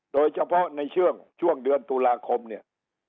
โดยเฉพาะในช่วงเดือนตุลาคมเนี่ย